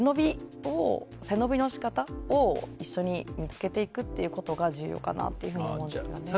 背伸びの仕方を一緒に見つけていくということが重要かなと思うんですよね。